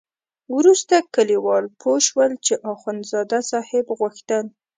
وروسته کلیوال پوه شول چې اخندزاده صاحب غوښتل.